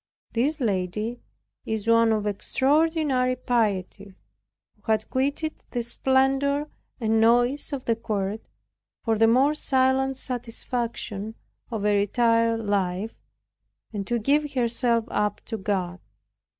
This lady is one of extraordinary piety, who had quitted the splendor and noise of the Court, for the more silent satisfaction of a retired life, and to give herself up to God.